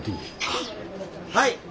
はい。